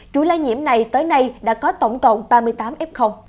chủ lai nhiễm này tới nay đã có tổng cộng ba mươi tám f